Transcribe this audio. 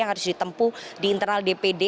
yang harus ditempuh di internal dpd